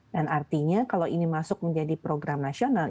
dan artinya kalau ini masuk menjadi program nasional